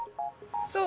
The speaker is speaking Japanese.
そう！